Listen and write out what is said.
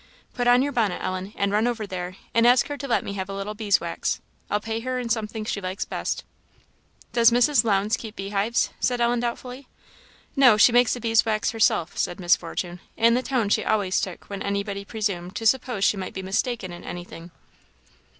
Put on your bonnet, Ellen, and run over there, and ask her to let me have a little bees' wax. I'll pay her in something she likes best." "Does Mrs. Lowndes keep bee hives?" said Ellen, doubtfully. "No; she makes the bees' wax herself," said Miss Fortune, in the tone she always took when anybody presumed to suppose she might be mistaken in anything.